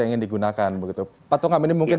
yang ingin digunakan patungan ini mungkin